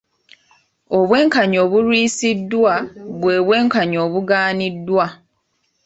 Obwenkanya obulwisiddwa bwe bwenkanya obugaaniddwa.